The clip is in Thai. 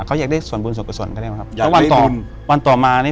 เขาอยากได้ส่วนบุญส่วนกว่าส่วนก็ได้หรอครับอยากได้บุญวันต่อมานี่